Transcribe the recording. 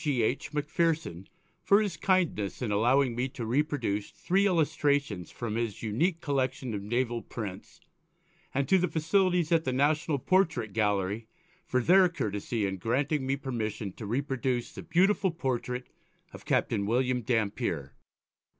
G. H. Macpherson for his kindness in allowing me to reproduce three illustrations from his unique collection of Naval prints, and to the authorities at the National Portrait Gallery for their courtesy in granting me permission to reproduce the beautiful portrait of Captain William Dampier.